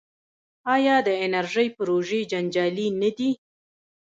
آیا د انرژۍ پروژې جنجالي نه دي؟